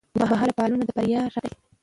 اوږدمهاله پلانونه د بریا راز دی.